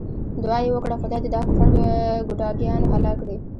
دعا یې وکړه خدای دې دا کفار له ګوډاګیانو هلاک کړي.